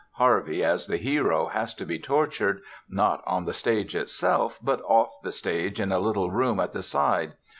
Harvey, as the hero, has to be tortured, not on the stage itself, but off the stage in a little room at the side.